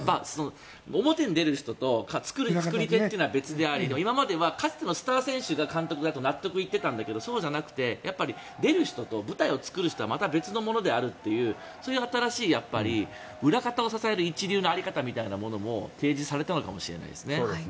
表に出る人と作り手というのは別であり今まではかつてのスター選手が監督やっていたら納得いっていたけどそうじゃなくて出る人と舞台を作る人は別のものだという新しい裏方を支える一流の在り方みたいなものも提示されたのかもしれないですね。